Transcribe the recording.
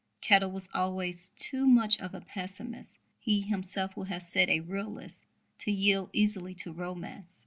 Kettle was always too much of a pessimist he himself would have said a realist to yield easily to romance.